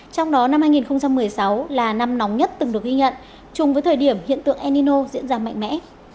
trong đó năm hai nghìn một mươi sáu là năm nóng nhất từng được ghi nhận chung với thời điểm hiện tượng enino diễn ra mạnh mẽ